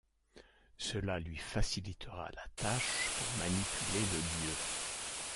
Cela lui facilitera la tâche pour manipuler le dieu.